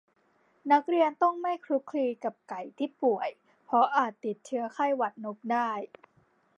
นักเรียนต้องไม่คลุกคลีกับไก่ที่ป่วย เพราะอาจติดเชื้อไข้หวัดนกได้